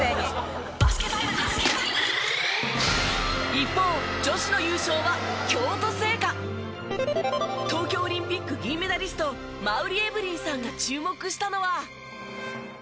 一方東京オリンピック銀メダリスト馬瓜エブリンさんが注目したのは。